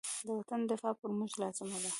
د وطن دفاع پر موږ لازمه ده.